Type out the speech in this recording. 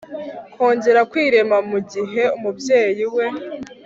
kongera kwirema mu gihe umubyeyi we